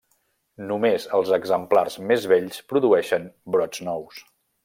Només els exemplars més vells produeixen brots nous.